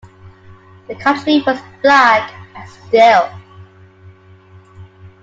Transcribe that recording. The country was black and still.